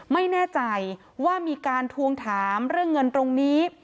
ไม่แน่ใจว่ามีการทวงถามเรื่องเงินตรงนี้